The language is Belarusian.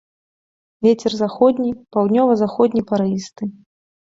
Вецер заходні, паўднёва-заходні парывісты.